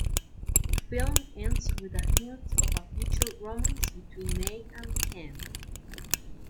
The film ends with a hint of a future romance between May and Ken.